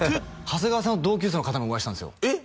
長谷川さんの同級生の方にもお会いしたんですよ